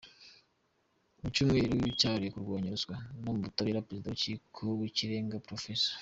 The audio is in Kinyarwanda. Mu cyumweru cyahariwe kurwanya ruswa mu butabera, Perezida w’urukiko rw’ikirenga Prof.